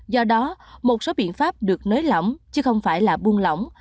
do đó một số biện pháp được nới lỏng chứ không phải là buông lỏng